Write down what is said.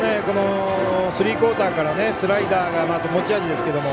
スリークオーターからスライダーが、持ち味ですが。